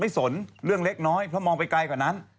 สนเรื่องเล็กน้อยเพราะมองไปไกลกว่านั้น